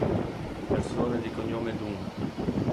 Persone di cognome Dunn